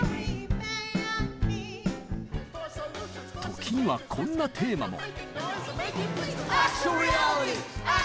時にはこんなテーマも。